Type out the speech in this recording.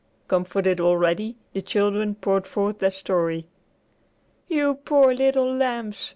Comforted already, the children poured forth their story. "You poor little lambs!"